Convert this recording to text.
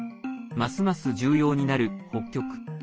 ますます重要になる北極。